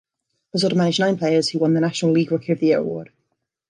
Lasorda managed nine players who won the National League Rookie of the Year award.